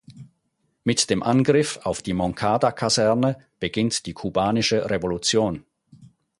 Mit dem Angriff auf die Moncada-Kaserne beginnt die Kubanische Revolution.